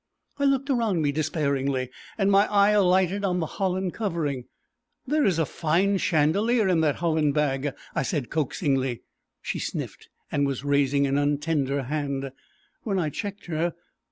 I looked around me despairingly, and my eye alighted on the holland covering. "There is a fine chandelier in that holland bag," I said coaxingly. She sniffed and was raising an untender hand, when I checked her.